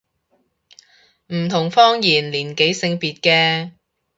唔同方言年紀性別嘅